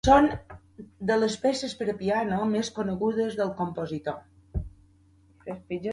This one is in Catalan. Són de les peces per a piano més conegudes del compositor.